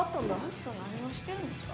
ずっと何をしてるんですか？